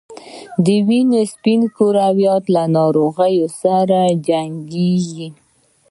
د وینې سپین کرویات له ناروغیو سره جنګیږي